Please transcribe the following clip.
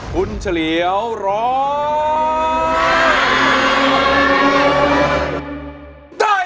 คุณเฉลียวร้อง